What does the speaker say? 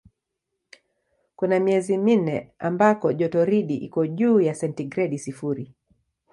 Kuna miezi minne ambako jotoridi iko juu ya sentigredi sifuri.